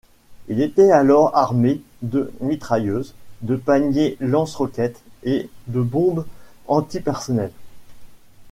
Il était alors armé de mitrailleuses, de paniers lance-roquettes et de bombes anti-personnel.